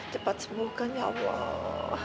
cepat sembuhkan ya allah